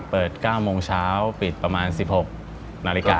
๙โมงเช้าปิดประมาณ๑๖นาฬิกา